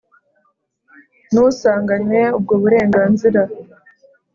n usanganywe ubwo burenganzira